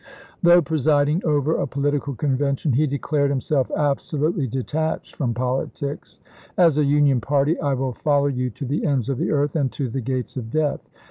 Though presiding over a political convention, he declared himself absolutely detached from politics. " As a Union party I will follow you to the ends of the earth, and to the gates of death.